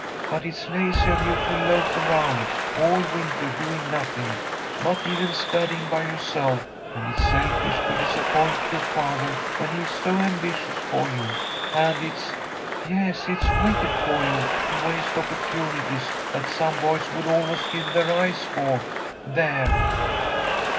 But it's lazy of you to loaf around all winter doing nothing, not even studying by yourself, and it's selfish to disappoint your father when he is so ambitious for you, and it's yes, it's wicked for you to waste opportunities that some boys would almost give their eyes for. There!"